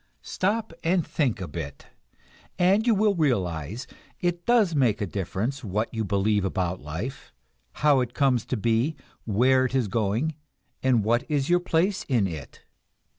Stop and think a bit, and you will realize it does make a difference what you believe about life, how it comes to be, where it is going, and what is your place in it.